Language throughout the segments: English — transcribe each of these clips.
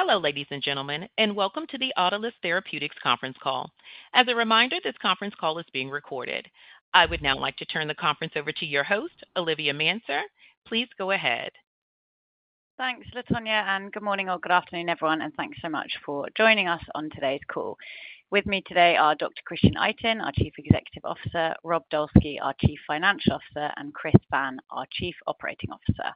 Hello, ladies and gentlemen, and welcome to the Autolus Therapeutics conference call. As a reminder, this conference call is being recorded. I would now like to turn the conference over to your host, Olivia Manser. Please go ahead. Thanks, LaTonya, and good morning or good afternoon, everyone, and thanks so much for joining us on today's call. With me today are Dr. Christian Itin, our Chief Executive Officer, Rob Dolski, our Chief Financial Officer, and Chris Vann, our Chief Operating Officer.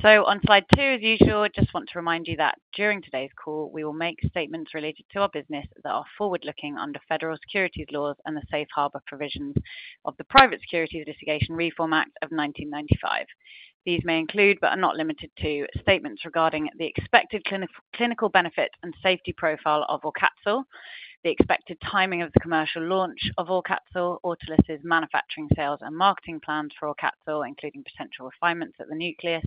So, on slide two, as usual, I just want to remind you that during today's call, we will make statements related to our business that are forward-looking under federal securities laws and the safe harbor provisions of the Private Securities Litigation Reform Act of 1995. These may include, but are not limited to, statements regarding the expected clinical benefit and safety profile of Aucatzyl, the expected timing of the commercial launch of Aucatzyl, Autolus's manufacturing sales and marketing plans for Aucatzyl, including potential refinements at the Nucleus,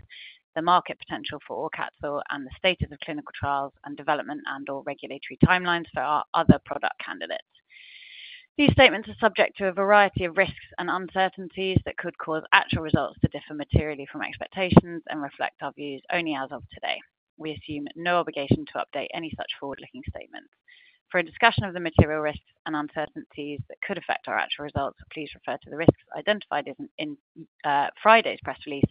the market potential for Aucatzyl, and the status of clinical trials and development and/or regulatory timelines for our other product candidates. These statements are subject to a variety of risks and uncertainties that could cause actual results to differ materially from expectations and reflect our views only as of today. We assume no obligation to update any such forward-looking statements. For a discussion of the material risks and uncertainties that could affect our actual results, please refer to the risks identified in Friday's press release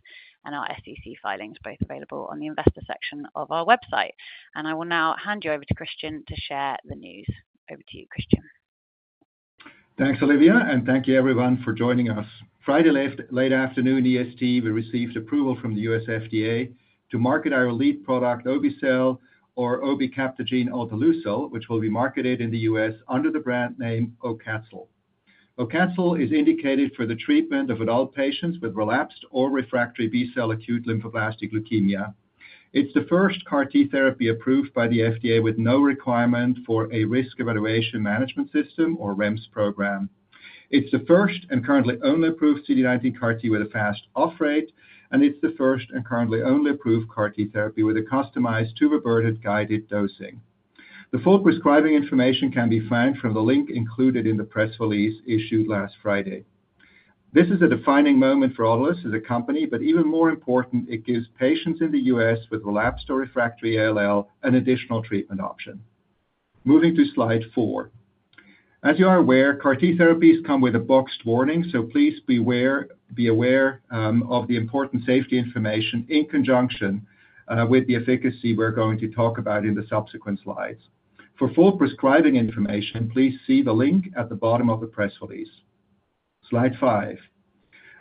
and our SEC filings, both available on the investor section of our website. I will now hand you over to Christian to share the news. Over to you, Christian. Thanks, Olivia, and thank you, everyone, for joining us. Friday late afternoon, EST, we received approval from the U.S. FDA to market our lead product, obe-cel, or obecabtagene autoleucel, which will be marketed in the US under the brand name Aucatzyl. Aucatzyl is indicated for the treatment of adult patients with relapsed or refractory B-cell acute lymphoblastic leukemia. It's the first CAR-T therapy approved by the FDA with no requirement for a risk evaluation and mitigation strategy or REMS program. It's the first and currently only approved CD19 CAR-T with a fast off rate, and it's the first and currently only approved CAR-T therapy with a customized tumor-burden-targeted dosing. The full prescribing information can be found from the link included in the press release issued last Friday. This is a defining moment for Autolus as a company, but even more important, it gives patients in the U.S. with relapsed or refractory ALL an additional treatment option. Moving to slide four. As you are aware, CAR-T therapies come with a boxed warning, so please be aware of the important safety information in conjunction with the efficacy we're going to talk about in the subsequent slides. For full prescribing information, please see the link at the bottom of the press release. Slide five.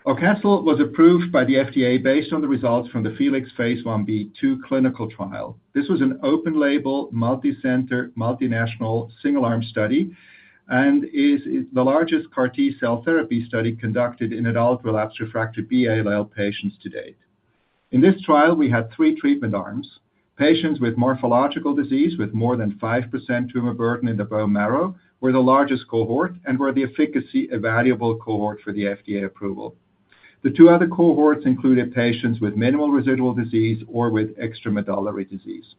Aucatzyl was approved by the FDA based on the results from the FELIX phase 1b/2 clinical trial. This was an open-label, multicenter, multinational single-arm study and is the largest CAR-T cell therapy study conducted in adult relapsed refractory B-ALL patients to date. In this trial, we had three treatment arms. Patients with morphological disease with more than 5% tumor burden in the bone marrow were the largest cohort and were the efficacy evaluable cohort for the FDA approval. The two other cohorts included patients with minimal residual disease or with extramedullary disease.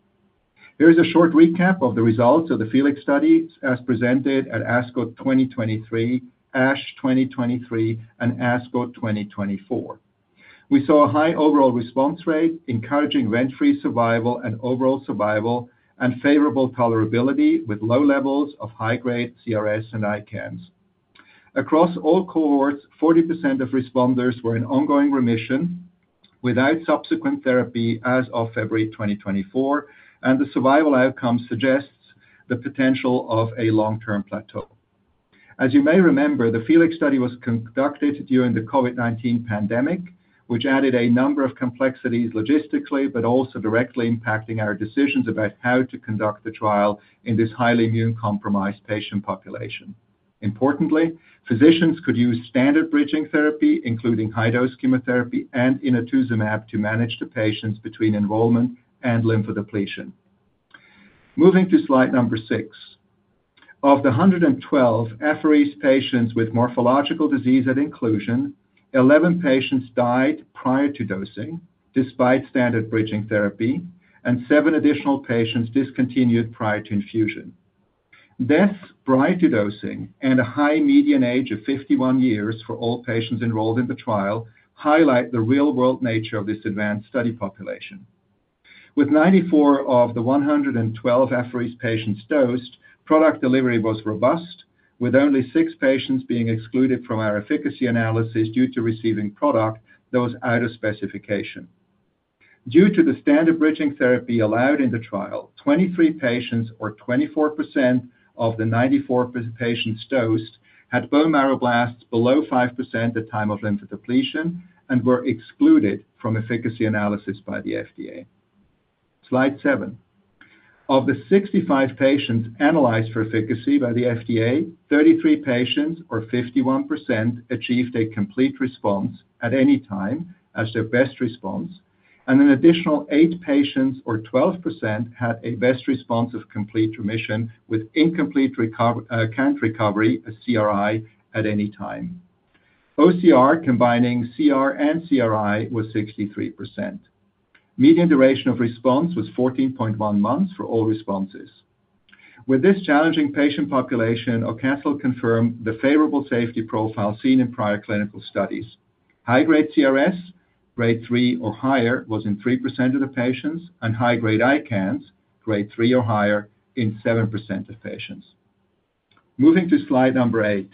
Here is a short recap of the results of the FELIX studies as presented at ASCO 2023, ASH 2023, and ASCO 2024. We saw a high overall response rate, encouraging event-free survival and overall survival, and favorable tolerability with low levels of high-grade CRS and ICANS. Across all cohorts, 40% of responders were in ongoing remission without subsequent therapy as of February 2024, and the survival outcome suggests the potential of a long-term plateau. As you may remember, the FELIX study was conducted during the COVID-19 pandemic, which added a number of complexities logistically, but also directly impacting our decisions about how to conduct the trial in this highly immunocompromised patient population. Importantly, physicians could use standard bridging therapy, including high-dose chemotherapy and inotuzumab, to manage the patients between enrollment and lymphodepletion. Moving to slide number six. Of the 112 apheresed patients with morphological disease at inclusion, 11 patients died prior to dosing despite standard bridging therapy, and seven additional patients discontinued prior to infusion. Deaths prior to dosing and a high median age of 51 years for all patients enrolled in the trial highlight the real-world nature of this advanced study population. With 94 of the 112 apheresed patients dosed, product delivery was robust, with only six patients being excluded from our efficacy analysis due to receiving product that was out of specification. Due to the standard bridging therapy allowed in the trial, 23 patients, or 24% of the 94 patients dosed, had bone marrow blasts below 5% at the time of lymphodepletion and were excluded from efficacy analysis by the FDA. Slide seven. Of the 65 patients analyzed for efficacy by the FDA, 33 patients, or 51%, achieved a complete response at any time as their best response, and an additional eight patients, or 12%, had a best response of complete remission with incomplete recovery, CRi, at any time. ORR, combining CR and CRi, was 63%. Median duration of response was 14.1 months for all responses. With this challenging patient population, Aucatzyl confirmed the favorable safety profile seen in prior clinical studies. High-grade CRS, grade 3 or higher, was in 3% of the patients, and high-grade ICANS, grade 3 or higher, in 7% of patients. Moving to slide number eight.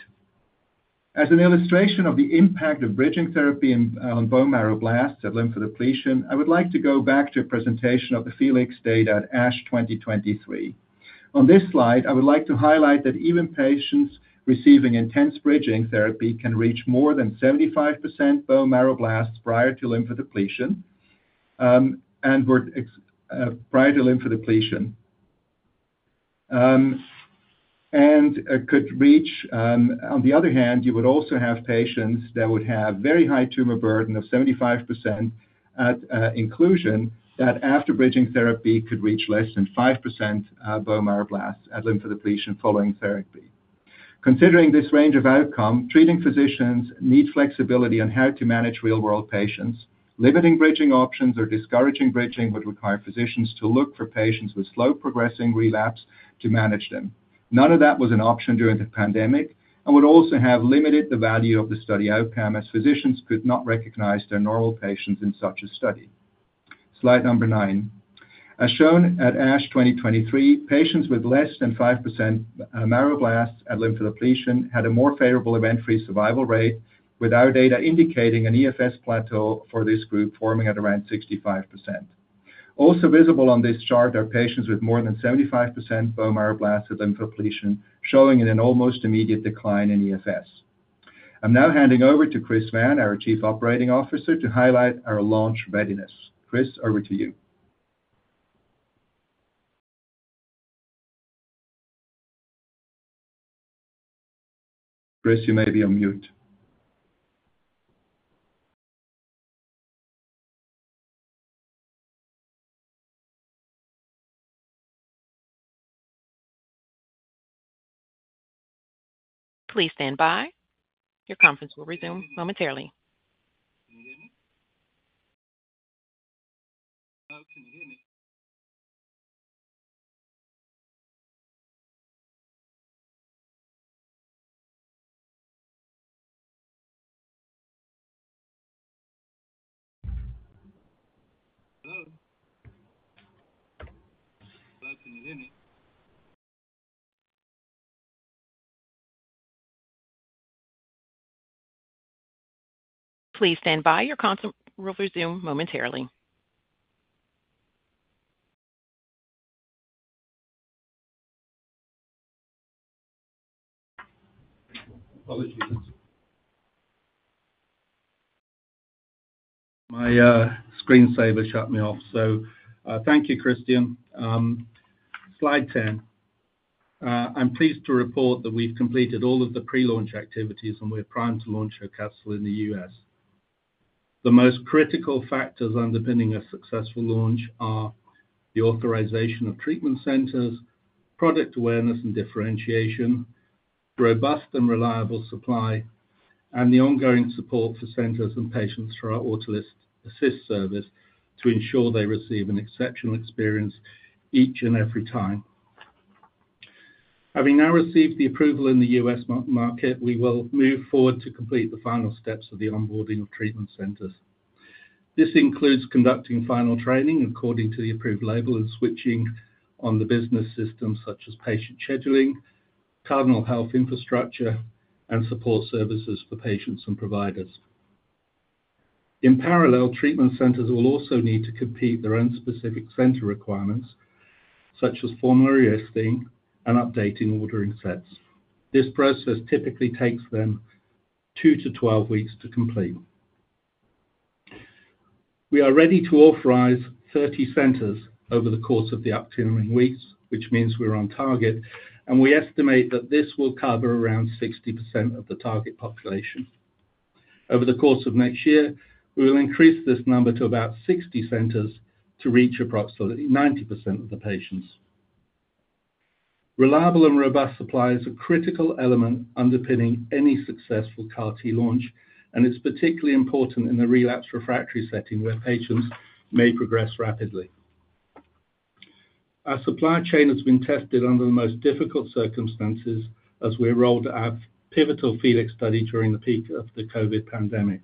As an illustration of the impact of bridging therapy on bone marrow blasts at lymphodepletion, I would like to go back to a presentation of the FELIX data at ASH 2023. On this slide, I would like to highlight that even patients receiving intense bridging therapy can reach more than 75% bone marrow blasts prior to lymphodepletion and could reach. On the other hand, you would also have patients that would have very high tumor burden of 75% at inclusion that after bridging therapy could reach less than 5% bone marrow blasts at lymphodepletion following therapy. Considering this range of outcome, treating physicians need flexibility on how to manage real-world patients. Limiting bridging options or discouraging bridging would require physicians to look for patients with slow-progressing relapse to manage them. None of that was an option during the pandemic and would also have limited the value of the study outcome as physicians could not recognize their normal patients in such a study. Slide number nine. As shown at ASH 2023, patients with less than 5% marrow blasts at lymphodepletion had a more favorable event-free survival rate, with our data indicating an EFS plateau for this group forming at around 65%. Also visible on this chart are patients with more than 75% bone marrow blasts at lymphodepletion, showing an almost immediate decline in EFS. I'm now handing over to Chris Vann, our Chief Operating Officer, to highlight our launch readiness. Chris, over to you. Chris, you may be on mute. Please stand by. Your conference will resume momentarily. Please stand by. Your conference will resume momentarily. My screen saver shut me off, so thank you, Christian. Slide 10. I'm pleased to report that we've completed all of the pre-launch activities, and we're primed to launch Aucatzyl in the US. The most critical factors underpinning a successful launch are the authorization of treatment centers, product awareness and differentiation, robust and reliable supply, and the ongoing support for centers and patients through our Autolus Assist service to ensure they receive an exceptional experience each and every time. Having now received the approval in the US market, we will move forward to complete the final steps of the onboarding of treatment centers. This includes conducting final training according to the approved label and switching on the business systems such as patient scheduling, Cardinal Health infrastructure, and support services for patients and providers. In parallel, treatment centers will also need to complete their own specific center requirements, such as formal apheresis and updating ordering sets. This process typically takes them 2 to 12 weeks to complete. We are ready to authorize 30 centers over the course of the upcoming weeks, which means we're on target, and we estimate that this will cover around 60% of the target population. Over the course of next year, we will increase this number to about 60 centers to reach approximately 90% of the patients. Reliable and robust supply is a critical element underpinning any successful CAR-T launch, and it's particularly important in the relapsed refractory setting where patients may progress rapidly. Our supply chain has been tested under the most difficult circumstances as we rolled out pivotal FELIX study during the peak of the COVID pandemic.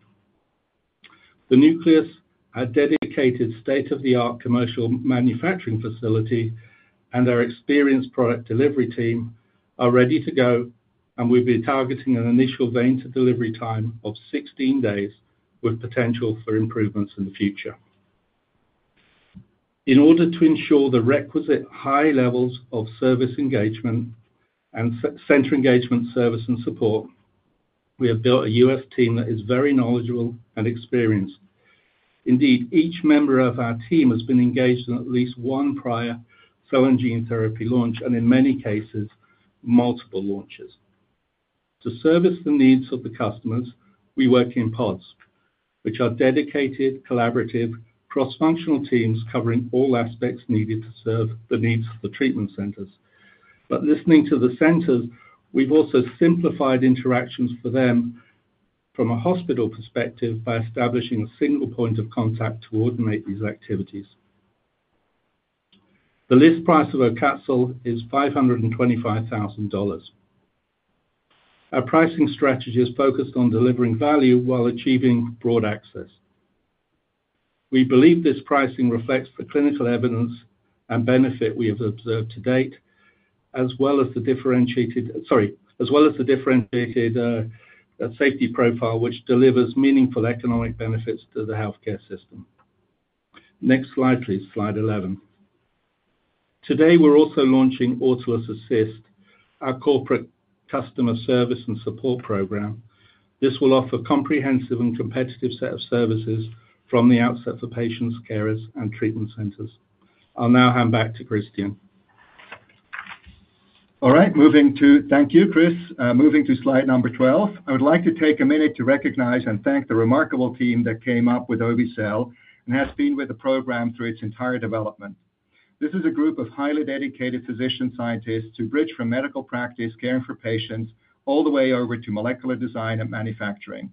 The Nucleus, our dedicated state-of-the-art commercial manufacturing facility, and our experienced product delivery team are ready to go, and we've been targeting an initial vein-to-vein delivery time of 16 days with potential for improvements in the future. In order to ensure the requisite high levels of service engagement and center engagement service and support, we have built a US team that is very knowledgeable and experienced. Indeed, each member of our team has been engaged in at least one prior cell and gene therapy launch and, in many cases, multiple launches. To service the needs of the customers, we work in pods, which are dedicated, collaborative, cross-functional teams covering all aspects needed to serve the needs of the treatment centers, but listening to the centers, we've also simplified interactions for them from a hospital perspective by establishing a single point of contact to coordinate these activities. The list price of Aucatzyl is $525,000. Our pricing strategy is focused on delivering value while achieving broad access. We believe this pricing reflects the clinical evidence and benefit we have observed to date, as well as the differentiated, sorry, as well as the differentiated safety profile, which delivers meaningful economic benefits to the healthcare system. Next slide, please. Slide 11. Today, we're also launching Autolus Assist, our corporate customer service and support program. This will offer a comprehensive and competitive set of services from the outset for patients, carers, and treatment centers. I'll now hand back to Christian. All right, moving to, thank you, Chris. Moving to slide number 12, I would like to take a minute to recognize and thank the remarkable team that came up with obe-cel and has been with the program through its entire development. This is a group of highly dedicated physician scientists who bridge from medical practice, caring for patients, all the way over to molecular design and manufacturing.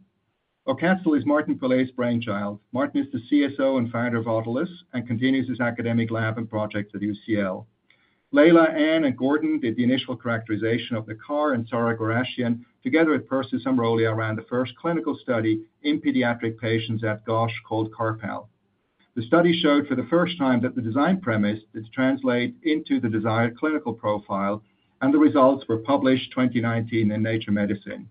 Aucatzyl is Martin Pule's brainchild. Martin is the CSO and founder of Autolus and continues his academic lab and project at UCL. Leila, Ann, and Gordon did the initial characterization of the CAR and Sara Ghorashian, together with Persis Amrolia, around the first clinical study in pediatric patients at GOSH called CARPALL. The study showed for the first time that the design premise is translated into the desired clinical profile, and the results were published in 2019 in Nature Medicine.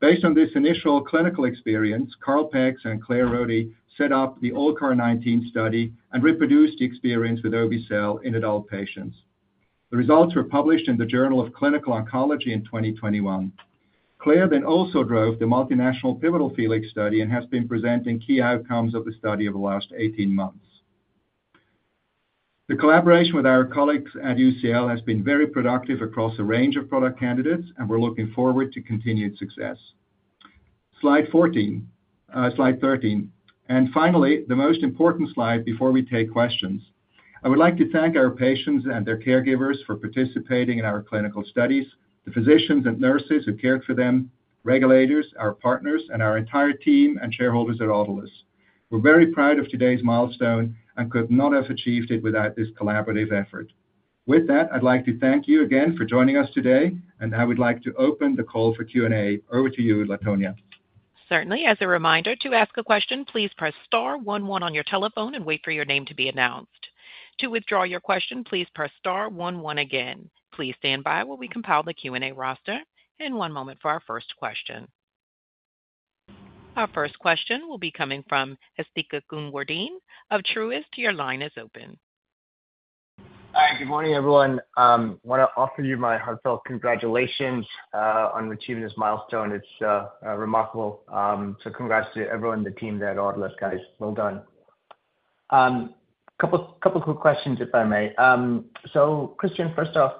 Based on this initial clinical experience, Karl Peggs and Claire Roddie set up the ALLCAR19 study and reproduced the experience with obe-cel in adult patients. The results were published in the Journal of Clinical Oncology in 2021. Claire then also drove the multinational pivotal FELIX study and has been presenting key outcomes of the study over the last 18 months. The collaboration with our colleagues at UCL has been very productive across a range of product candidates, and we're looking forward to continued success. Slide 14. Slide 13. And finally, the most important slide before we take questions. I would like to thank our patients and their caregivers for participating in our clinical studies, the physicians and nurses who cared for them, regulators, our partners, and our entire team and shareholders at Autolus. We're very proud of today's milestone and could not have achieved it without this collaborative effort. With that, I'd like to thank you again for joining us today, and I would like to open the call for Q&A. Over to you, LaTonya. Certainly. As a reminder, to ask a question, please press star 11 on your telephone and wait for your name to be announced. To withdraw your question, please press star 11 again. Please stand by while we compile the Q&A roster, and one moment for our first question. Our first question will be coming from Asthika Goonewardene of Truist. Your line is open. Hi, good morning, everyone. I want to offer you my heartfelt congratulations on achieving this milestone. It's remarkable. So congrats to everyone, the team, the Autolus guys. Well done. A couple of quick questions, if I may. So Christian, first off,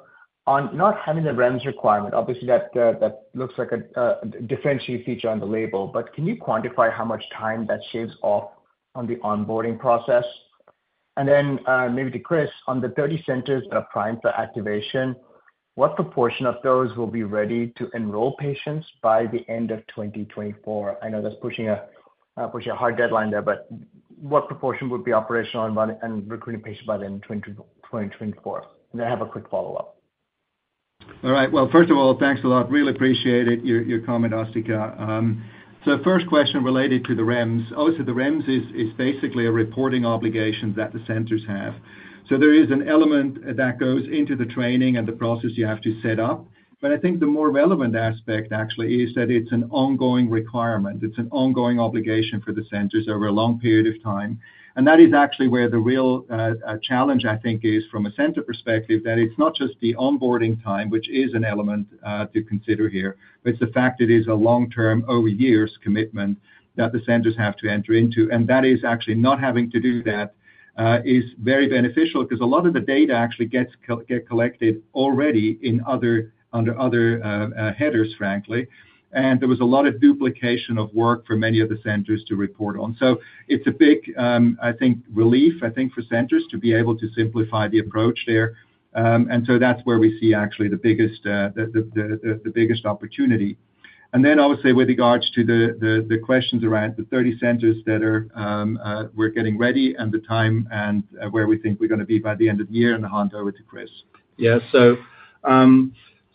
on not having the REMS requirement, obviously that looks like a differentiated feature on the label, but can you quantify how much time that shaves off on the onboarding process? And then maybe to Chris, on the 30 centers that are primed for activation, what proportion of those will be ready to enroll patients by the end of 2024? I know that's pushing a hard deadline there, but what proportion would be operational and recruiting patients by the end of 2024? And then I have a quick follow-up. All right, well, first of all, thanks a lot. Really appreciate your comment, Asthika, so first question related to the REMS. Also, the REMS is basically a reporting obligation that the centers have, so there is an element that goes into the training and the process you have to set up, but I think the more relevant aspect actually is that it's an ongoing requirement. It's an ongoing obligation for the centers over a long period of time, and that is actually where the real challenge, I think, is from a center perspective, that it's not just the onboarding time, which is an element to consider here, but it's the fact it is a long-term, over-years commitment that the centers have to enter into, and that is actually not having to do that is very beneficial because a lot of the data actually gets collected already under other headers, frankly. There was a lot of duplication of work for many of the centers to report on. So it's a big, I think, relief, I think, for centers to be able to simplify the approach there. And so that's where we see actually the biggest opportunity. And then I would say with regards to the questions around the 30 centers that we're getting ready and the time and where we think we're going to be by the end of the year, and I'll hand over to Chris. Yeah.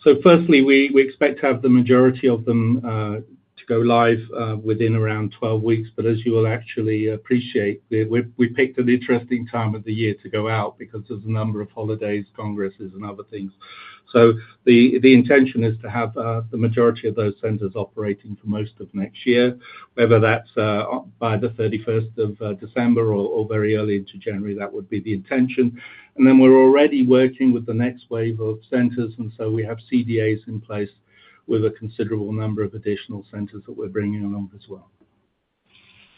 So firstly, we expect to have the majority of them to go live within around 12 weeks. But as you will actually appreciate, we picked an interesting time of the year to go out because there's a number of holidays, congresses, and other things. So the intention is to have the majority of those centers operating for most of next year, whether that's by the 31st of December or very early into January, that would be the intention. And then we're already working with the next wave of centers. And so we have CDAs in place with a considerable number of additional centers that we're bringing along as well.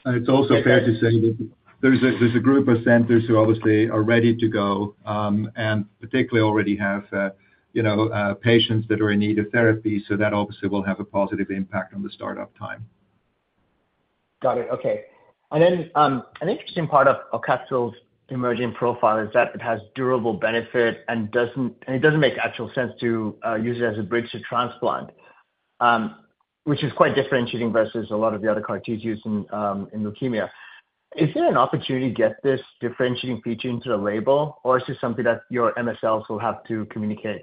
And it's also fair to say that there's a group of centers who obviously are ready to go and particularly already have patients that are in need of therapy. So that obviously will have a positive impact on the startup time. Got it. Okay. And then an interesting part of Aucatzyl's emerging profile is that it has durable benefit and it doesn't make actual sense to use it as a bridge to transplant, which is quite differentiating versus a lot of the other CAR-Ts used in leukemia. Is there an opportunity to get this differentiating feature into the label, or is this something that your MSLs will have to communicate?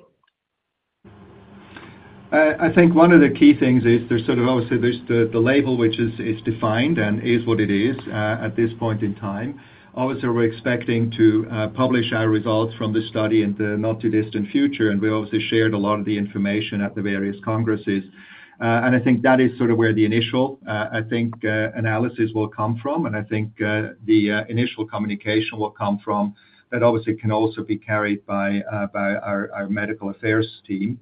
I think one of the key things is there's sort of, obviously, there's the label, which is defined and is what it is at this point in time. Obviously, we're expecting to publish our results from the study in the not-too-distant future. And we obviously shared a lot of the information at the various congresses. And I think that is sort of where the initial, I think, analysis will come from. And I think the initial communication will come from that, obviously, can also be carried by our medical affairs team.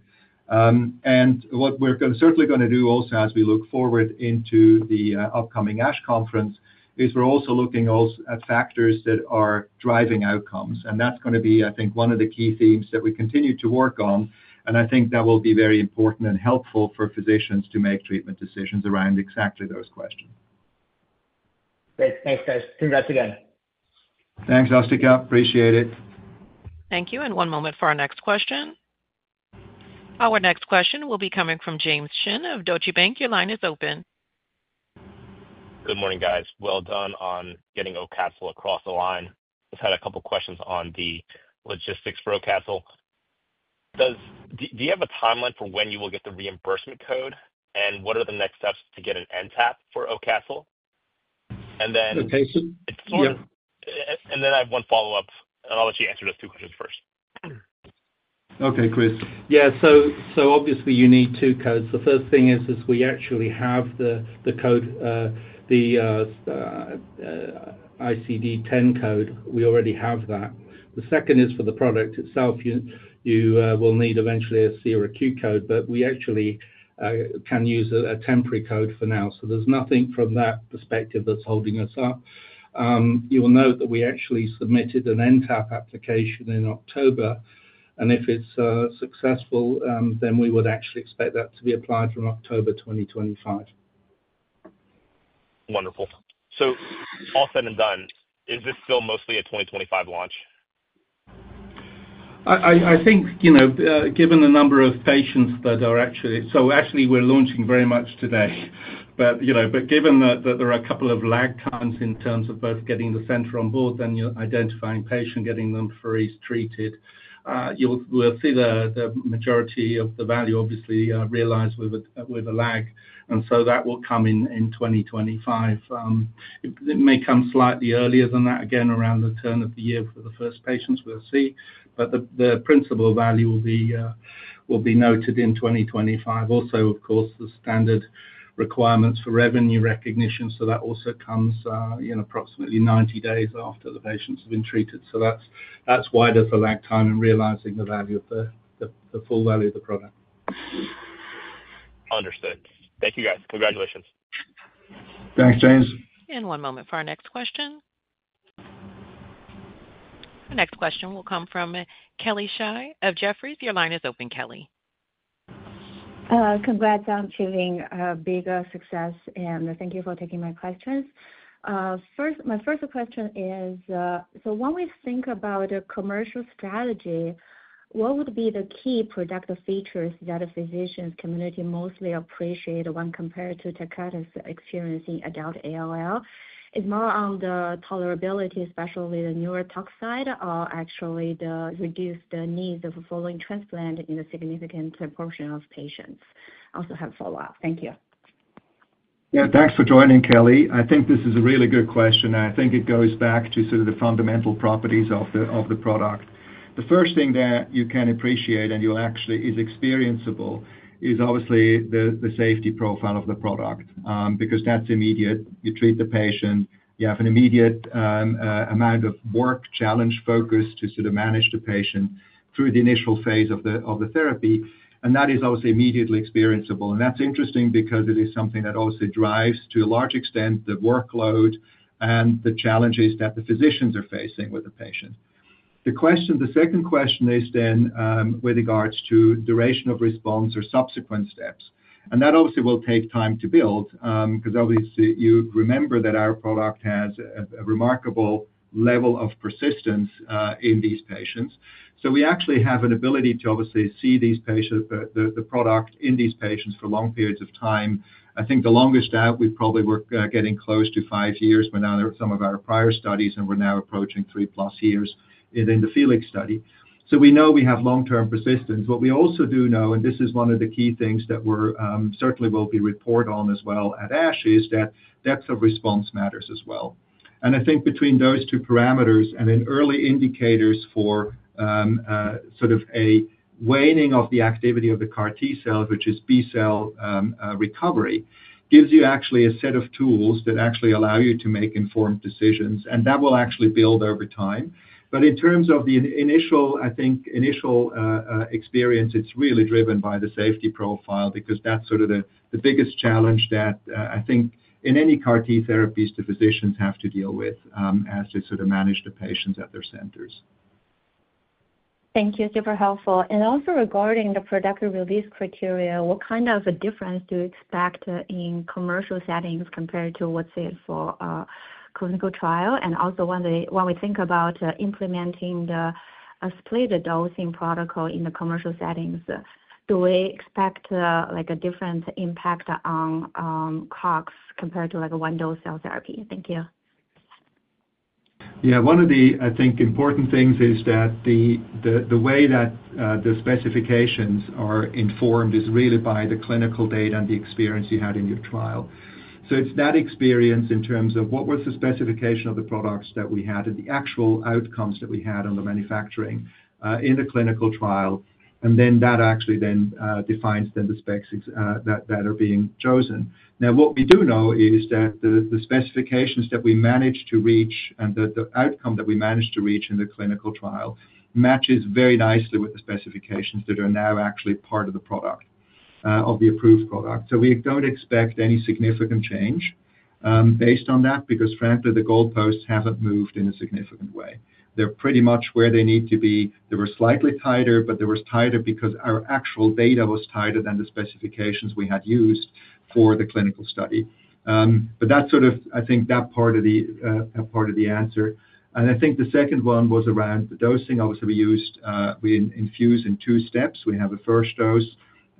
And what we're certainly going to do also as we look forward into the upcoming ASH conference is we're also looking at factors that are driving outcomes. And that's going to be, I think, one of the key themes that we continue to work on. I think that will be very important and helpful for physicians to make treatment decisions around exactly those questions. Great. Thanks, guys. Congrats again. Thanks, Asthika. Appreciate it. Thank you. One moment for our next question. Our next question will be coming from James Shin of Deutsche Bank. Your line is open. Good morning, guys. Well done on getting Aucatzyl across the line. Just had a couple of questions on the logistics for Aucatzyl. Do you have a timeline for when you will get the reimbursement code? And what are the next steps to get an NTAP for Aucatzyl? And then it's sort of. And then I have one follow-up. And I'll let you answer those two questions first. Okay, Chris. Yeah. So obviously, you need two codes. The first thing is we actually have the code, the ICD-10 code. We already have that. The second is for the product itself. You will need eventually a C or a Q code, but we actually can use a temporary code for now. So there's nothing from that perspective that's holding us up. You will note that we actually submitted an NTAP application in October. And if it's successful, then we would actually expect that to be applied from October 2025. Wonderful. So all said and done, is this still mostly a 2025 launch? I think, given the number of patients that are actually, we're launching very much today. But given that there are a couple of lag times in terms of both getting the center on board and identifying patients, getting them freeze-treated, we'll see the majority of the value obviously realized with a lag. So that will come in 2025. It may come slightly earlier than that, again, around the turn of the year for the first patients, we'll see. But the principal value will be noted in 2025. Also, of course, the standard requirements for revenue recognition. So that also comes in approximately 90 days after the patients have been treated. So that's wider for lag time and realizing the value of the full value of the product. Understood. Thank you, guys. Congratulations. Thanks, James. One moment for our next question. Our next question will come from Kelly Shi of Jefferies. Your line is open, Kelly. Congrats on achieving a big success. And thank you for taking my questions. My first question is, so when we think about a commercial strategy, what would be the key product features that a physician's community most appreciate when compared to Tecartus's experience in adult ALL? Is more on the tolerability, especially the neurotoxicity, or actually the reduced needs of following transplant in a significant portion of patients? Also have a follow-up. Thank you. Yeah. Thanks for joining, Kelly. I think this is a really good question, and I think it goes back to sort of the fundamental properties of the product. The first thing that you can appreciate and you'll actually see is experienceable is obviously the safety profile of the product because that's immediate. You treat the patient. You have an immediate amount of work, challenge, focus to sort of manage the patient through the initial phase of the therapy, and that is obviously immediately experienceable, and that's interesting because it is something that also drives to a large extent the workload and the challenges that the physicians are facing with the patient. The second question is then with regards to duration of response or subsequent steps, and that obviously will take time to build because obviously, you remember that our product has a remarkable level of persistence in these patients. So we actually have an ability to obviously see the product in these patients for long periods of time. I think the longest out, we probably were getting close to five years in some of our prior studies and we're now approaching three-plus years in the FELIX study. So we know we have long-term persistence. What we also do know, and this is one of the key things that we certainly will be reporting on as well at ASH, is that depth of response matters as well. And I think between those two parameters and in early indicators for sort of a waning of the activity of the CAR-T cell, which is B-cell recovery, gives you actually a set of tools that actually allow you to make informed decisions. And that will actually build over time. But in terms of the initial, I think, initial experience, it's really driven by the safety profile because that's sort of the biggest challenge that I think in any CAR-T therapies, the physicians have to deal with as they sort of manage the patients at their centers. Thank you. Super helpful. And also regarding the product release criteria, what kind of a difference do you expect in commercial settings compared to, let's say, for a clinical trial? And also when we think about implementing the split dosing protocol in the commercial settings, do we expect a different impact on CRS compared to one-dose cell therapy? Thank you. Yeah. One of the, I think, important things is that the way that the specifications are informed is really by the clinical data and the experience you had in your trial. So it's that experience in terms of what was the specification of the products that we had and the actual outcomes that we had on the manufacturing in the clinical trial. And then that actually then defines then the specs that are being chosen. Now, what we do know is that the specifications that we managed to reach and the outcome that we managed to reach in the clinical trial matches very nicely with the specifications that are now actually part of the product, of the approved product. So we don't expect any significant change based on that because, frankly, the goalposts haven't moved in a significant way. They're pretty much where they need to be. They were slightly tighter, but they were tighter because our actual data was tighter than the specifications we had used for the clinical study. But that's sort of, I think, that part of the answer. I think the second one was around the dosing. Obviously, we infuse in two steps. We have a first dose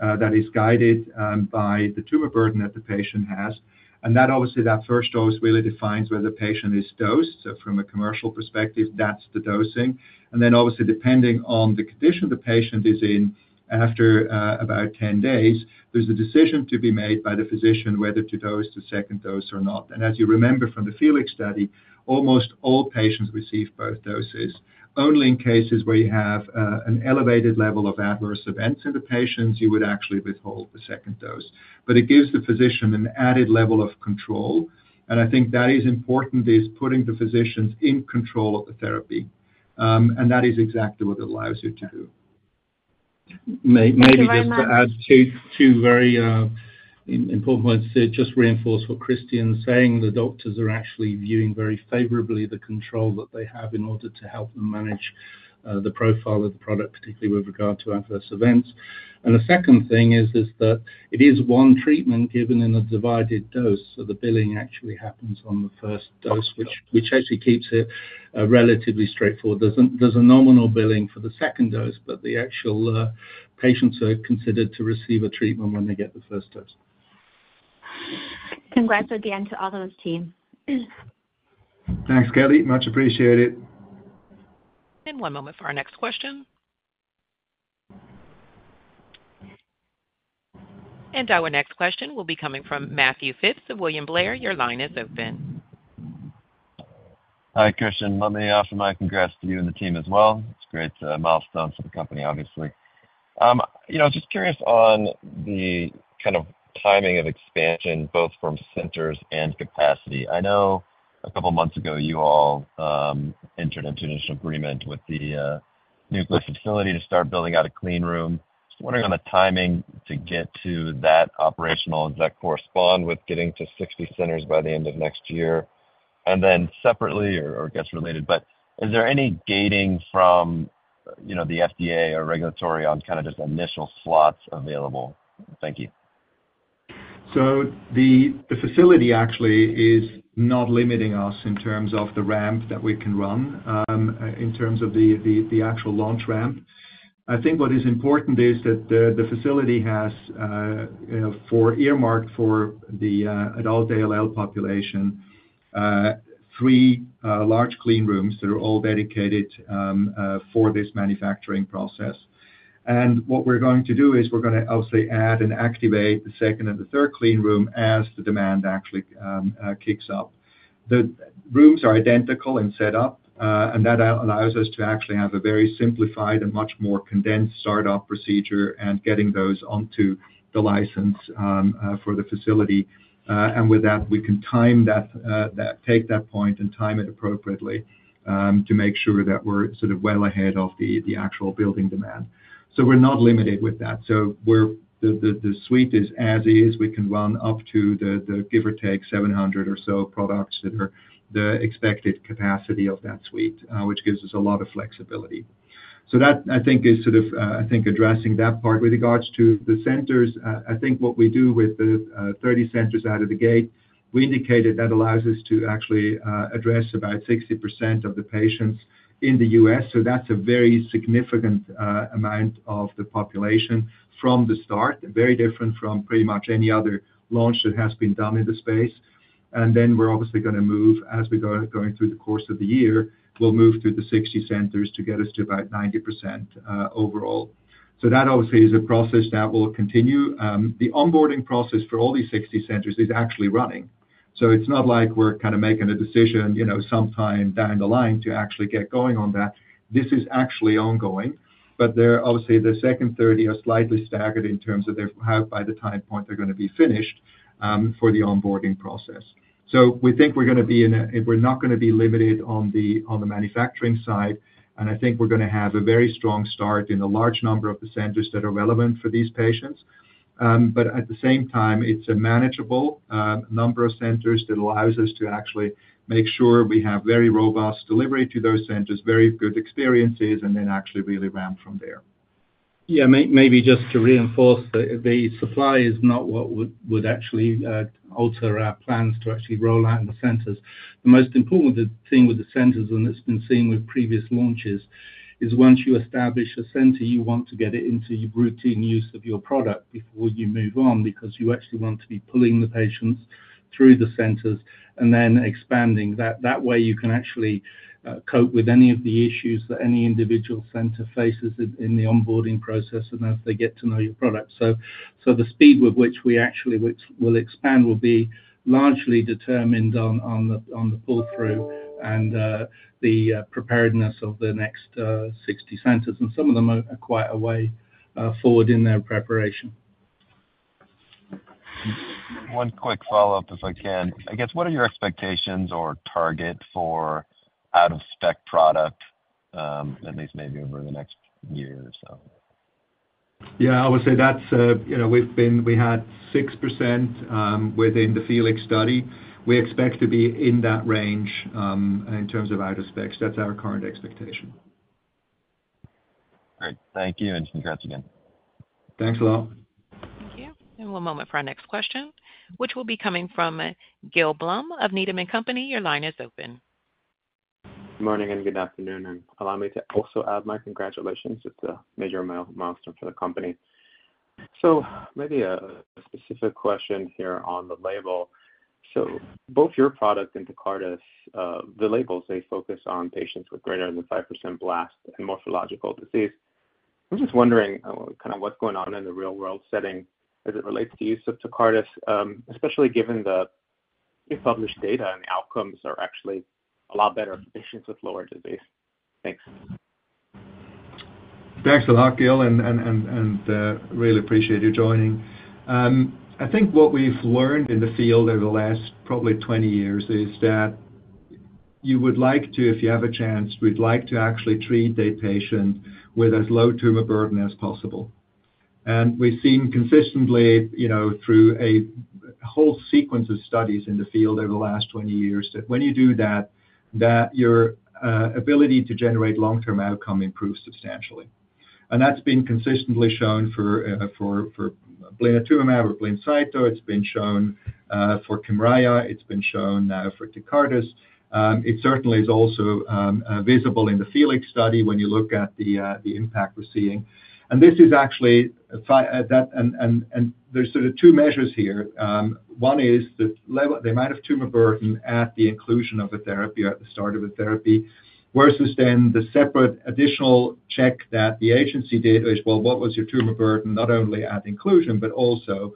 that is guided by the tumor burden that the patient has. And that obviously, that first dose really defines where the patient is dosed. So from a commercial perspective, that's the dosing. And then obviously, depending on the condition the patient is in, after about 10 days, there's a decision to be made by the physician whether to dose the second dose or not. And as you remember from the FELIX study, almost all patients receive both doses. Only in cases where you have an elevated level of adverse events in the patients, you would actually withhold the second dose. But it gives the physician an added level of control. And I think that is important, is putting the physicians in control of the therapy. And that is exactly what it allows you to do. Maybe just to add two very important points. Just reinforce what Christian's saying. The doctors are actually viewing very favorably the control that they have in order to help them manage the profile of the product, particularly with regard to adverse events. And the second thing is that it is one treatment given in a divided dose. So the billing actually happens on the first dose, which actually keeps it relatively straightforward. There's a nominal billing for the second dose, but the actual patients are considered to receive a treatment when they get the first dose. Congrats again to all those teams. Thanks, Kelly. Much appreciated. One moment for our next question. Our next question will be coming from Matthew Phipps of William Blair. Your line is open. Hi, Christian. Let me offer my congrats to you and the team as well. It's a great milestone for the company, obviously. Just curious on the kind of timing of expansion, both from centers and capacity. I know a couple of months ago, you all entered into an initial agreement with the Nucleus facility to start building out a clean room. Just wondering on the timing to get to that operational. Does that correspond with getting to 60 centers by the end of next year? And then separately, or I guess related, but is there any gating from the FDA or regulatory on kind of just initial slots available? Thank you. So the facility actually is not limiting us in terms of the ramp that we can run in terms of the actual launch ramp. I think what is important is that the facility has earmarked for the adult ALL population three large clean rooms that are all dedicated for this manufacturing process. And what we're going to do is we're going to obviously add and activate the second and the third clean room as the demand actually kicks up. The rooms are identical in setup, and that allows us to actually have a very simplified and much more condensed startup procedure and getting those onto the license for the facility. And with that, we can take that point and time it appropriately to make sure that we're sort of well ahead of the actual building demand. So we're not limited with that. So the suite is as is. We can run up to, give or take, 700 or so products that are the expected capacity of that suite, which gives us a lot of flexibility. So that, I think, is sort of, I think, addressing that part. With regards to the centers, I think what we do with the 30 centers out of the gate, we indicated that allows us to actually address about 60% of the patients in the U.S. So that's a very significant amount of the population from the start, very different from pretty much any other launch that has been done in the space. And then we're obviously going to move, as we're going through the course of the year, we'll move through the 60 centers to get us to about 90% overall. So that obviously is a process that will continue. The onboarding process for all these 60 centers is actually running. So it's not like we're kind of making a decision sometime down the line to actually get going on that. This is actually ongoing. But obviously, the second 30 are slightly staggered in terms of by the time point they're going to be finished for the onboarding process. So we think we're going to be. We're not going to be limited on the manufacturing side. And I think we're going to have a very strong start in a large number of the centers that are relevant for these patients. But at the same time, it's a manageable number of centers that allows us to actually make sure we have very robust delivery to those centers, very good experiences, and then actually really ramp from there. Yeah. Maybe just to reinforce that the supply is not what would actually alter our plans to actually roll out in the centers. The most important thing with the centers, and it's been seen with previous launches, is once you establish a center, you want to get it into routine use of your product before you move on because you actually want to be pulling the patients through the centers and then expanding. That way, you can actually cope with any of the issues that any individual center faces in the onboarding process and as they get to know your product, so the speed with which we actually will expand will be largely determined on the pull-through and the preparedness of the next 60 centers, and some of them are quite a way forward in their preparation. One quick follow-up, if I can. I guess, what are your expectations or target for out-of-spec product, at least maybe over the next year or so? Yeah. I would say that's we had 6% within the FELIX study. We expect to be in that range in terms of out-of-specs. That's our current expectation. Great. Thank you. And congrats again. Thanks a lot. Thank you. One moment for our next question, which will be coming from Gil Blum of Needham & Company. Your line is open. Good morning and good afternoon. And allow me to also add my congratulations. It's a major milestone for the company. So maybe a specific question here on the label. So both your product and Tecartus, the labels, they focus on patients with greater than 5% blast and morphological disease. I'm just wondering kind of what's going on in the real-world setting as it relates to use of Tecartus, especially given the new published data and the outcomes are actually a lot better for patients with lower disease. Thanks. Thanks a lot, Gil. And really appreciate you joining. I think what we've learned in the field over the last probably 20 years is that you would like to, if you have a chance, we'd like to actually treat a patient with as low tumor burden as possible. And we've seen consistently through a whole sequence of studies in the field over the last 20 years that when you do that, that your ability to generate long-term outcome improves substantially. And that's been consistently shown for blinatumomab or Blincito. It's been shown for Kymriah. It's been shown now for Tecartus. It certainly is also visible in the FELIX study when you look at the impact we're seeing. And this is actually that and there's sort of two measures here. One is the amount of tumor burden at the inclusion of a therapy or at the start of a therapy versus then the separate additional check that the agency did, which is, well, what was your tumor burden, not only at inclusion, but also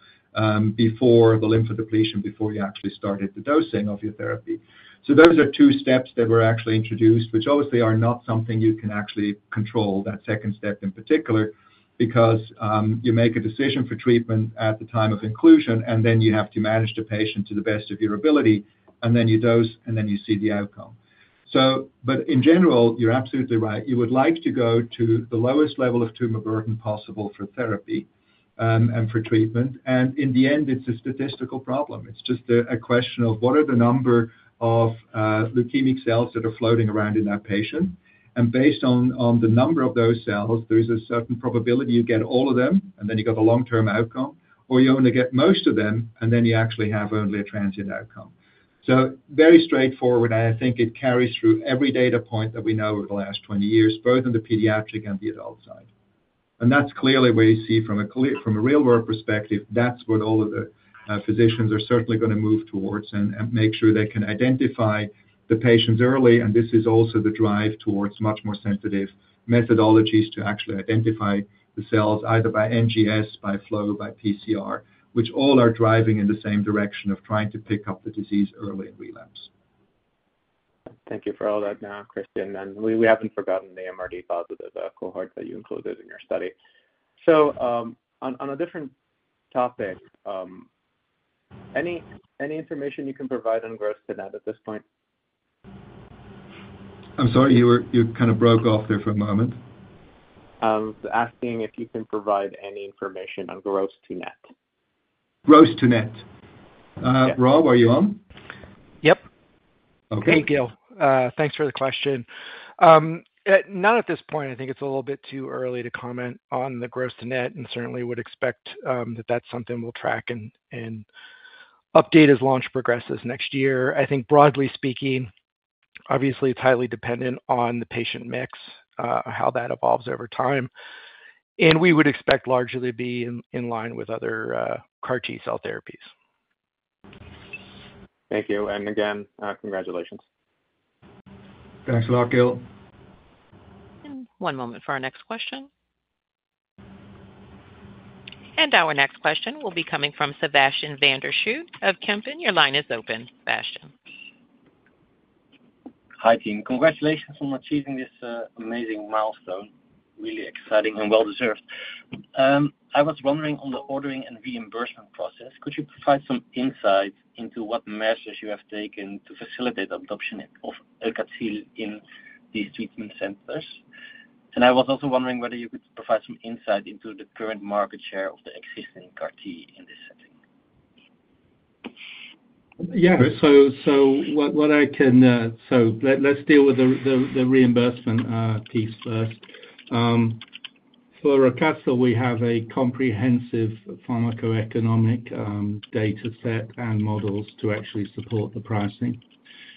before the lymphodepletion, before you actually started the dosing of your therapy, so those are two steps that were actually introduced, which obviously are not something you can actually control, that second step in particular, because you make a decision for treatment at the time of inclusion, and then you have to manage the patient to the best of your ability, and then you dose, and then you see the outcome, but in general, you're absolutely right. You would like to go to the lowest level of tumor burden possible for therapy and for treatment, and in the end, it's a statistical problem. It's just a question of what are the number of leukemic cells that are floating around in that patient. And based on the number of those cells, there's a certain probability you get all of them, and then you got the long-term outcome, or you only get most of them, and then you actually have only a transient outcome. So very straightforward, and I think it carries through every data point that we know over the last 20 years, both in the pediatric and the adult side. And that's clearly where you see from a real-world perspective, that's what all of the physicians are certainly going to move towards and make sure they can identify the patients early. This is also the drive towards much more sensitive methodologies to actually identify the cells, either by NGS, by flow, by PCR, which all are driving in the same direction of trying to pick up the disease early in relapse. Thank you for all that now, Christian. And we haven't forgotten the MRD positive cohort that you included in your study. So on a different topic, any information you can provide on gross to net at this point? I'm sorry. You kind of broke off there for a moment. I was asking if you can provide any information on gross to net? Gross to net. Rob, are you on? Yep. Thank you. Thanks for the question. Not at this point. I think it's a little bit too early to comment on the gross to net, and certainly would expect that that's something we'll track and update as launch progresses next year. I think, broadly speaking, obviously, it's highly dependent on the patient mix, how that evolves over time, and we would expect largely to be in line with other CAR-T cell therapies. Thank you, and again, congratulations. Thanks a lot, Gil. One moment for our next question. Our next question will be coming from Sebastiaan van der Schoot of Kempen. Your line is open, Sebastian. Hi, team. Congratulations on achieving this amazing milestone. Really exciting and well-deserved. I was wondering on the ordering and reimbursement process, could you provide some insight into what measures you have taken to facilitate adoption of Aucatzyl in these treatment centers? And I was also wondering whether you could provide some insight into the current market share of the existing CAR-T in this setting. Yeah. So what I can so let's deal with the reimbursement piece first. For Aucatzyl, we have a comprehensive pharmacoeconomic data set and models to actually support the pricing.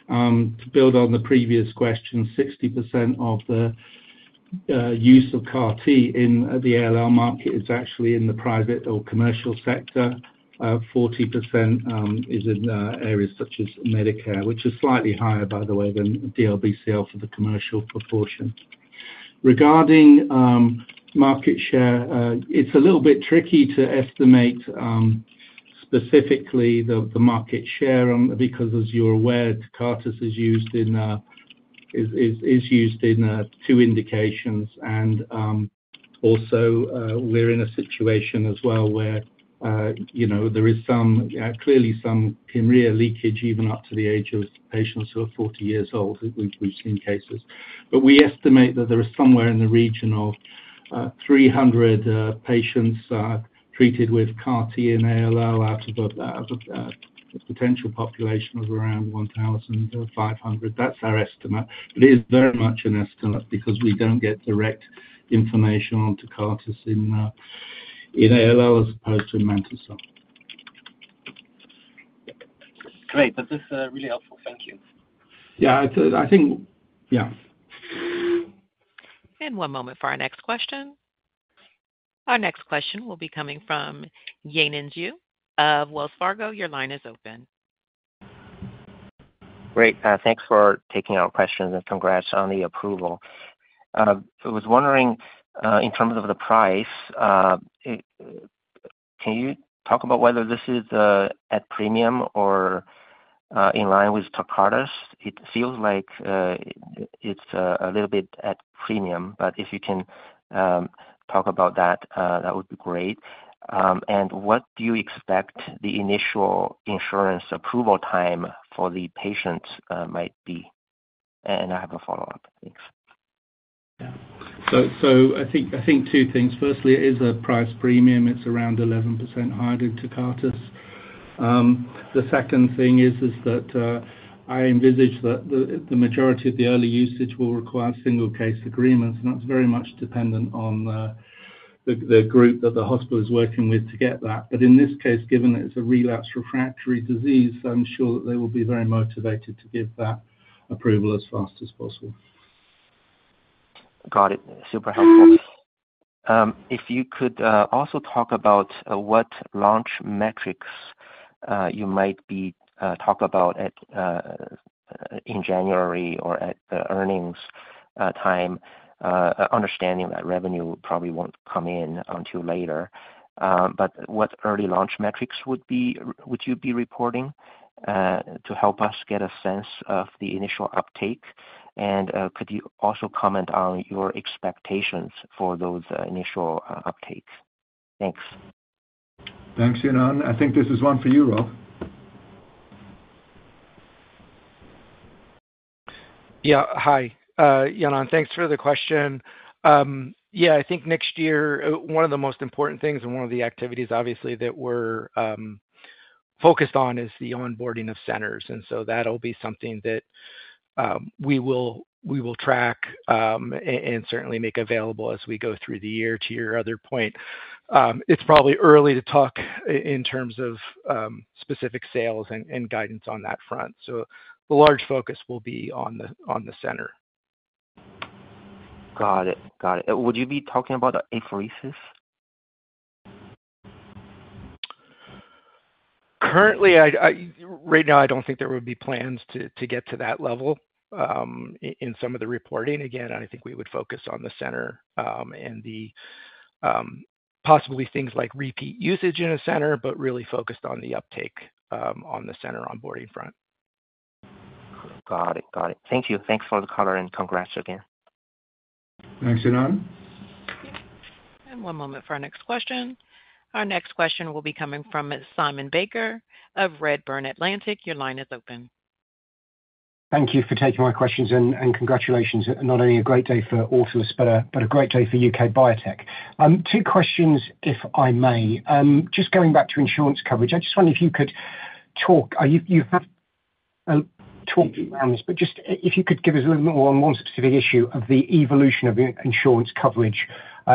To build on the previous question, 60% of the use of CAR-T in the ALL market is actually in the private or commercial sector. 40% is in areas such as Medicare, which is slightly higher, by the way, than DLBCL for the commercial proportion. Regarding market share, it's a little bit tricky to estimate specifically the market share because, as you're aware, Tecartus is used in two indications. And also, we're in a situation as well where there is clearly some Kymriah leakage even up to the age of patients who are 40 years old. We've seen cases. But we estimate that there is somewhere in the region of 300 patients treated with CAR-T in ALL out of a potential population of around 1,500. That's our estimate. But it is very much an estimate because we don't get direct information on Tecartus in ALL as opposed to in mantle cell. Great. That is really helpful. Thank you. Yeah. I think, yeah. One moment for our next question. Our next question will be coming from Yanan Zhu of Wells Fargo. Your line is open. Great. Thanks for taking our questions and congrats on the approval. I was wondering, in terms of the price, can you talk about whether this is at premium or in line with Tecartus? It feels like it's a little bit at premium, but if you can talk about that, that would be great. And what do you expect the initial insurance approval time for the patients might be? And I have a follow-up. Thanks. Yeah, so I think two things. Firstly, it is a price premium. It's around 11% higher than Tecartus. The second thing is that I envisage that the majority of the early usage will require single-case agreements. And that's very much dependent on the group that the hospital is working with to get that. But in this case, given that it's a relapsed refractory disease, I'm sure that they will be very motivated to give that approval as fast as possible. Got it. Super helpful. If you could also talk about what launch metrics you might be talking about in January or at the earnings time, understanding that revenue probably won't come in until later. But what early launch metrics would you be reporting to help us get a sense of the initial uptake? And could you also comment on your expectations for those initial uptake? Thanks. Thanks, Yanan. I think this is one for you, Rob. Yeah. Hi, Yanan. Thanks for the question. Yeah. I think next year, one of the most important things and one of the activities, obviously, that we're focused on is the onboarding of centers. And so that'll be something that we will track and certainly make available as we go through the year. To your other point, it's probably early to talk in terms of specific sales and guidance on that front, so the large focus will be on the center. Got it. Got it. Would you be talking about apheresis? Currently, right now, I don't think there would be plans to get to that level in some of the reporting. Again, I think we would focus on the center and possibly things like repeat usage in a center, but really focused on the uptake on the center onboarding front. Got it. Got it. Thank you. Thanks for the color and congrats again. Thanks, Yanan. And one moment for our next question. Our next question will be coming from Simon Baker of Redburn Atlantic. Your line is open. Thank you for taking my questions and congratulations. Not only a great day for Autolus, but a great day for U.K. biotech. Two questions, if I may. Just going back to insurance coverage, I just wonder if you could talk. You have talked around this, but just if you could give us a little bit more on one specific issue of the evolution of insurance coverage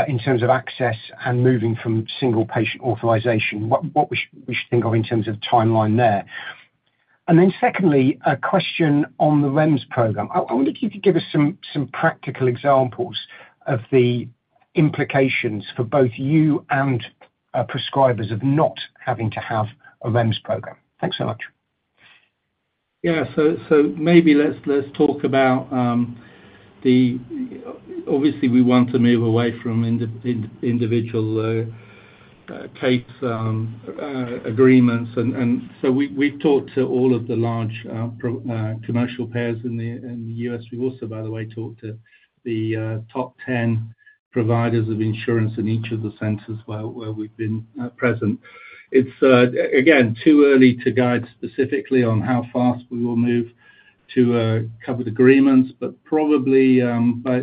in terms of access and moving from single-patient authorization, what we should think of in terms of timeline there. And then secondly, a question on the REMS program. I wonder if you could give us some practical examples of the implications for both you and prescribers of not having to have a REMS program. Thanks so much. Yeah. So maybe let's talk about the obvious. We want to move away from individual case agreements. And so we've talked to all of the large commercial payers in the U.S. We've also, by the way, talked to the top 10 providers of insurance in each of the centers where we've been present. It's, again, too early to guide specifically on how fast we will move to covered agreements, but probably by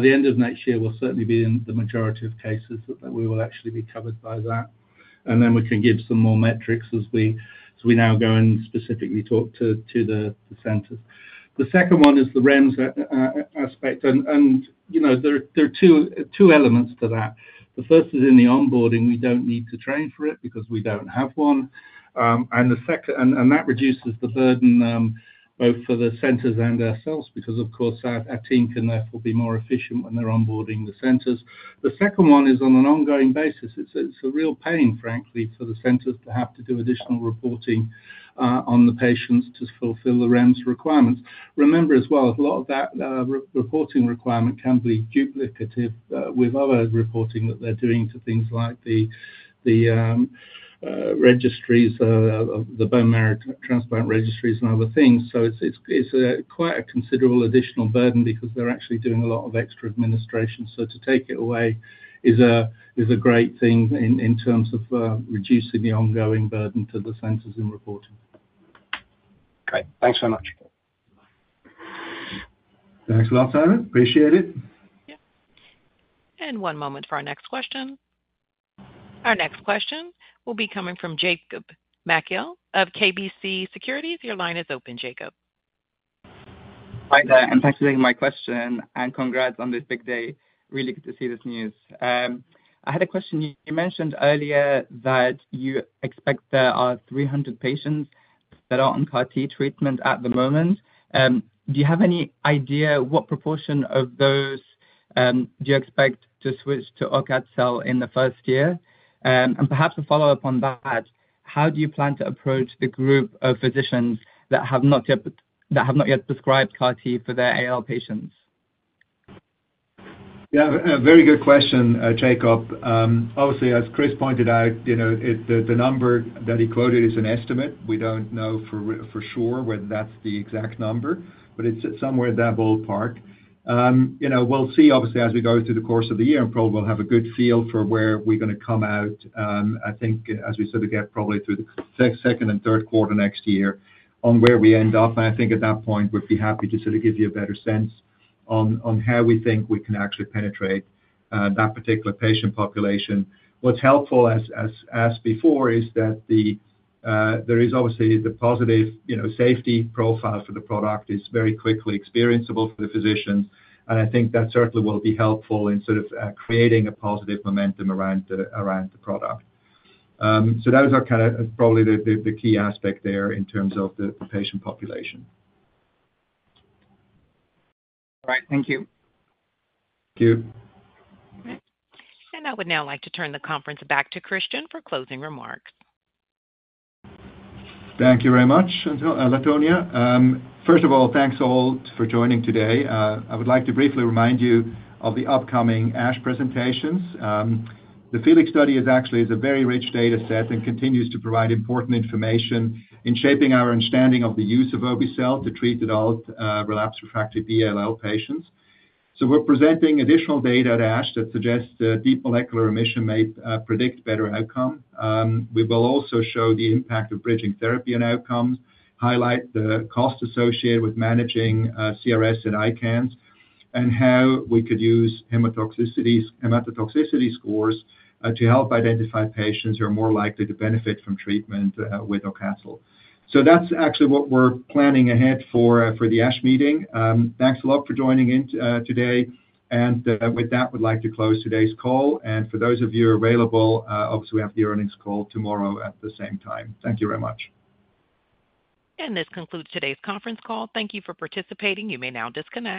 the end of next year, we'll certainly be in the majority of cases that we will actually be covered by that. And then we can give some more metrics as we now go and specifically talk to the centers. The second one is the REMS aspect. And there are two elements to that. The first is in the onboarding, we don't need to train for it because we don't have one. And that reduces the burden both for the centers and ourselves because, of course, our team can therefore be more efficient when they're onboarding the centers. The second one is on an ongoing basis. It's a real pain, frankly, for the centers to have to do additional reporting on the patients to fulfill the REMS requirements. Remember as well, a lot of that reporting requirement can be duplicative with other reporting that they're doing to things like the registries, the bone marrow transplant registries, and other things. So it's quite a considerable additional burden because they're actually doing a lot of extra administration. So to take it away is a great thing in terms of reducing the ongoing burden to the centers in reporting. Great. Thanks so much. Thanks a lot, Simon. Appreciate it. Yeah, and one moment for our next question. Our next question will be coming from Jacob Mekhael of KBC Securities. Your line is open, Jacob. Hi, there. And thanks for taking my question. And congrats on this big day. Really good to see this news. I had a question. You mentioned earlier that you expect there are 300 patients that are on CAR-T treatment at the moment. Do you have any idea what proportion of those do you expect to switch to Aucatzyl in the first year? And perhaps a follow-up on that, how do you plan to approach the group of physicians that have not yet prescribed CAR-T for their ALL patients? Yeah. Very good question, Jacob. Obviously, as Chris pointed out, the number that he quoted is an estimate. We don't know for sure whether that's the exact number, but it's somewhere in that ballpark. We'll see, obviously, as we go through the course of the year, and probably we'll have a good feel for where we're going to come out, I think, as we sort of get probably through the second and third quarter next year on where we end up. And I think at that point, we'd be happy to sort of give you a better sense on how we think we can actually penetrate that particular patient population. What's helpful, as before, is that there is obviously the positive safety profile for the product is very quickly experienceable for the physicians. And I think that certainly will be helpful in sort of creating a positive momentum around the product. So that is kind of probably the key aspect there in terms of the patient population. All right. Thank you. Thank you. I would now like to turn the conference back to Christian for closing remarks. Thank you very much, LaTonya. First of all, thanks all for joining today. I would like to briefly remind you of the upcoming ASH presentations. The FELIX study is actually a very rich data set and continues to provide important information in shaping our understanding of the use of obe-cel to treat adult relapsed refractory B-ALL patients. So we're presenting additional data at ASH that suggests deep molecular remission may predict better outcome. We will also show the impact of bridging therapy and outcomes, highlight the cost associated with managing CRS and ICANS, and how we could use hematotoxicity scores to help identify patients who are more likely to benefit from treatment with obe-cel. So that's actually what we're planning ahead for the ASH meeting. Thanks a lot for joining in today. With that, we'd like to close today's call. For those of you available, obviously, we have the earnings call tomorrow at the same time. Thank you very much. This concludes today's conference call. Thank you for participating. You may now disconnect.